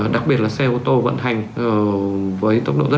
đặc biệt là xe ô tô vận hành với tốc độ rất cao từ tám mươi đến một trăm linh km một giờ